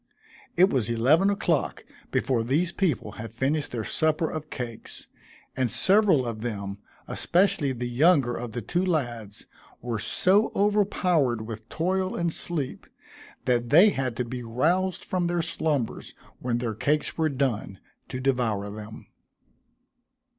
It was eleven o'clock before these people had finished their supper of cakes, and several of them, especially the younger of the two lads, were so overpowered with toil and sleep, that they had to be roused from their slumbers when their cakes were done, to devour them.